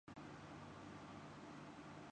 اور آبی بخارات کی موجودگی کے نتیجے میں ہوتا ہے